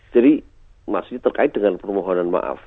jadi masih terkait dengan permohonan maaf